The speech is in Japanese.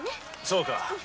そうか。